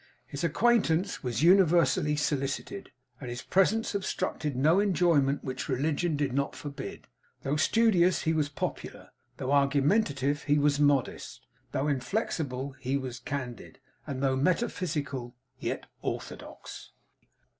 His acquaintance was universally solicited, and his presence obstructed no enjoyment which religion did not forbid. Though studious he was popular; though argumentative he was modest; though inflexible he was candid; and though metaphysical yet orthodox.'